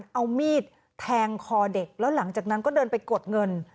เอามีดแทงคอเด็กแล้วหลังจากนั้นก็เดินไปกดเงิน